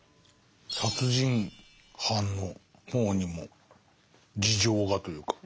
殺人犯の方にも事情がというか。